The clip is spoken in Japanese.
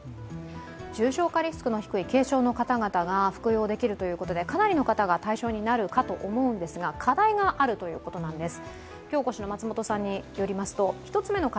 重症化リスクの低い軽症の方が服用できるということでかなりの方が対象になるかと思いますが、課題があるということなんです。